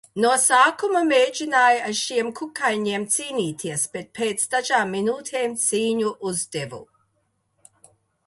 No sākuma mēģināju ar šiem kukaiņiem cīnīties, bet pēc dažām minūtēm cīņu uzdevu.